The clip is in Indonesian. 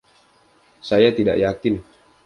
Saya tidak yakin.